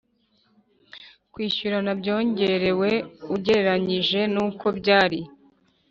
kwishyurana byongerewe ugereranyije n uko byari